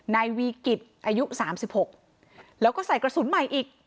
นายวีกิตอายุสามสิบหกแล้วก็ใส่กระสุนใหม่อีก